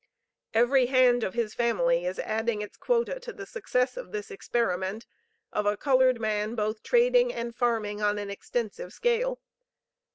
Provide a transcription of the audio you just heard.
Every hand of his family is adding its quota to the success of this experiment of a colored man both trading and farming on an extensive scale.